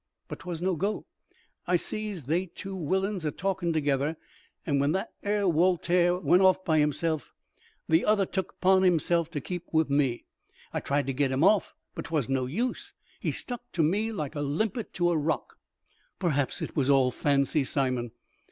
But 'twas no go. I sees they two willains a talkin' together, and when that 'ere Woltaire went off by himself, the other took it 'pon him to keep wi' me. I tried to git 'im off, but 'twas no use; he stuck to me like a limpet to a rock." "Perhaps it was all fancy, Simon."